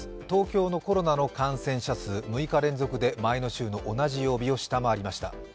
東京のコロナの感染者数６日連続で前の週の同じ曜日を下回りました。